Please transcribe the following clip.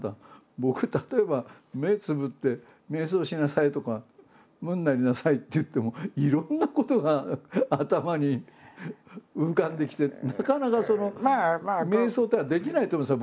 僕例えば目つむって瞑想しなさいとか無になりなさいっていってもいろんなことが頭に浮かんできてなかなかその瞑想っていうのができないと思うんですよ